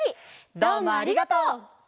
どうもありがとう！